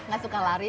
gak suka lari